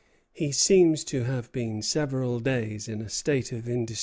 He seems to have been several days in a state of indecision.